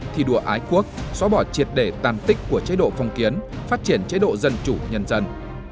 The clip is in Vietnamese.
thi đua ái quốc xóa bỏ triệt đề tàn tích của chế độ phong kiến phát triển chế độ dân chủ nhân dân